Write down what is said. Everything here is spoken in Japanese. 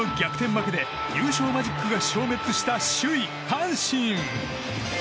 負けで優勝マジックが消滅した首位、阪神。